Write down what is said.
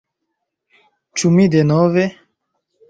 Ĉu mi denove...